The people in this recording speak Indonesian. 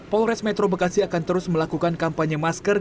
polres metro bekasi akan terus melakukan kampanye masker